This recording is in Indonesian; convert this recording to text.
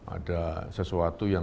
ada sesuatu yang